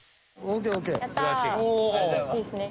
いいですね。